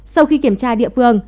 sau khi kiểm tra địa phương